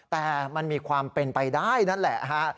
แต่มันมีความเป็นไปได้นั่นแหละฮะ